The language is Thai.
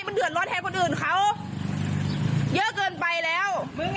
มันเดือดร้อนแทนคนอื่นเขาเยอะเกินไปแล้ว